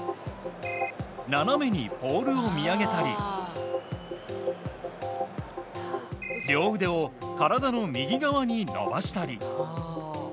斜めにポールを見上げたり両腕を体の右側に伸ばしたり。